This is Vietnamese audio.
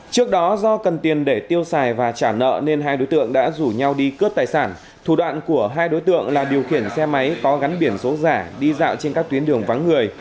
trước đó do cần tiền để tiêu xài và trả nợ nên hai đối tượng đã rủ nhau đi cướp tài sản thủ đoạn của hai đối tượng là điều khiển xe máy có gắn biển số giả đi dạo trên các tuyến đường vắng người